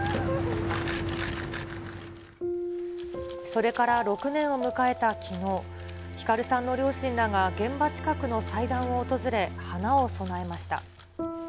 それから６年を迎えたきのう、晃さんの両親らが現場近くの祭壇を訪れ、花を供えました。